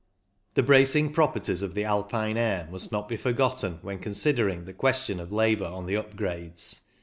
The bracing properties of the Alpine air must not be forgotten when considering the question of labour on the up grades.